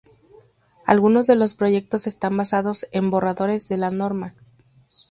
Algunos de los proyectos están basados en borradores de la norma.